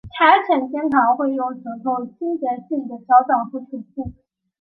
柴犬经常会用舌头清洁自己的脚掌和腿部。